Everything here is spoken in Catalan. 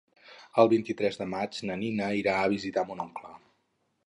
El vint-i-tres de maig na Nina irà a visitar mon oncle.